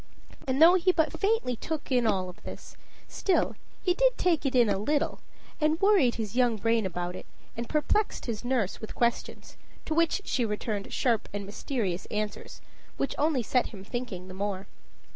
And though he but faintly took in all this, still he did take it in a little, and worried his young brain about it, and perplexed his nurse with questions, to which she returned sharp and mysterious answers, which only set him thinking the more.